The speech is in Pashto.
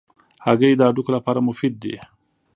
هګۍ د هډوکو لپاره مفید دي.